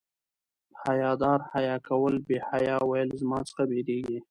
حیا دار حیا کوله بې حیا ویل زما څخه بيریږي